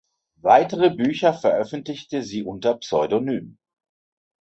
Weitere Bücher veröffentlichte sie unter Pseudonym.